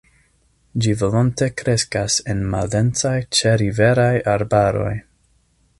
Ĝi volonte kreskas en maldensaj ĉeriveraj arbaroj.